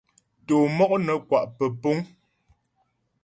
Tɔ'ɔ mɔk nə́ kwa' pə́púŋ.